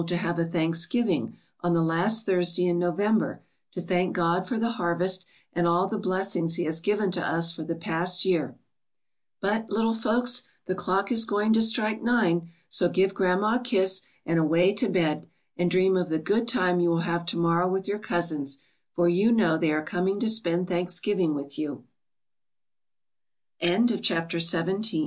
to have a Thanksgiving on the last Thursday in November, to thank God for the harvest, and all the blessings He has given to us for the past year. • ^^But, little folks, the clock is going to strike nine, so give grandma a kiss and away to bed, and dream of the good time you will have to morrow with your cousins, for you know they are coming to sp